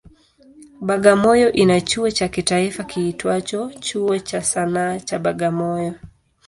Bagamoyo ina chuo cha kitaifa kiitwacho Chuo cha Sanaa cha Bagamoyo.